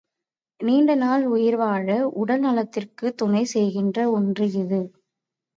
நீண்ட நாள் உயிர் வாழ உடல் நலத்திற்குத் துணை செய்கின்ற ஒன்று இது.